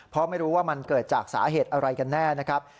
เพราะไม่รู้ว่ามันเกิดจากสาเหตุอะไรกันแน่นะครับ